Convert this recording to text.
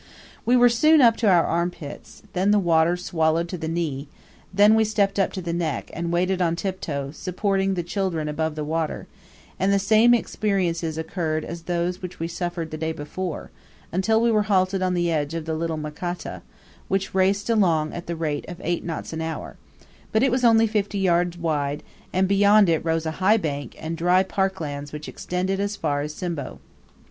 We were soon up to our armpits, then the water shallowed to the knee, then we stepped up to the neck, and waded on tiptoe, supporting the children above the water; and the same experiences occurred as those which we suffered the day before, until we were halted on the edge of the Little Makata, which raced along at the rate of eight knots an hour; but it was only fifty yards wide, and beyond it rose a high bank, and dry park lands which extended as far as Simbo.